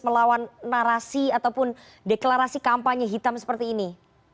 melawan narasi ataupun deklarasi kampanye hitam seperti ini